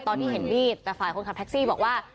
ตอนที่เห็นมีดแต่ฝ่ายคนขับแท็กซี่บอกว่า